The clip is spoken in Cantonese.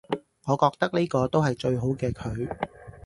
我覺得呢個都係最好嘅佢